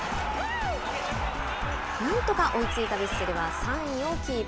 なんとか追いついたヴィッセルは３位をキープ。